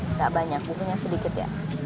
nggak banyak bukunya sedikit ya